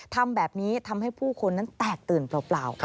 ทำแบบนี้ทำให้ผู้คนนั้นแตกตื่นเปล่า